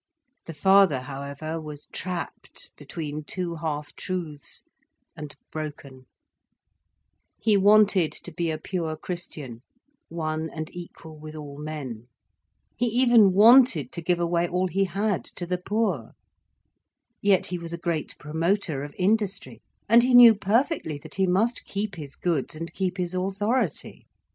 The father however was trapped between two half truths, and broken. He wanted to be a pure Christian, one and equal with all men. He even wanted to give away all he had, to the poor. Yet he was a great promoter of industry, and he knew perfectly that he must keep his goods and keep his authority.